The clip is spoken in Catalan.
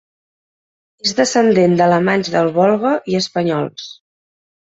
És descendent d'alemanys del Volga i espanyols.